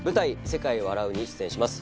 『世界は笑う』に出演します。